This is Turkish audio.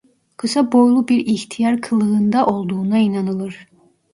Kısa boylu bir ihtiyar kılığında olduğuna inanılır.